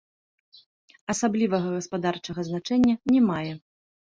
Асаблівага гаспадарчага значэння не мае.